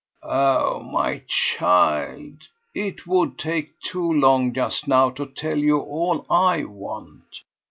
"Oh my child, it would take too long just now to tell you all I want!